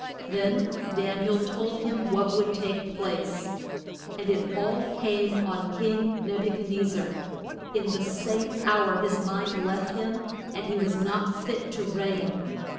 Then Dan i el told him what would take place. And it all came on king Neb u chad nez zar. In the same hour his mind left him and he was not fit to reign.